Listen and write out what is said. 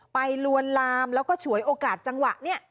ลวนลามแล้วก็ฉวยโอกาสจังหวะนี้